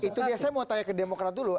itu dia saya mau tanya ke demokrat dulu